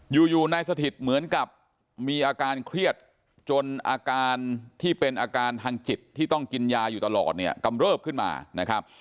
อยู่นายสถิตเหมือนกับมีอาการเครียดจนอาการที่เป็นอาการทางจิตที่ต้องกินยาอยู่ตลอดเนี่ยกำเริบขึ้นมานะครับ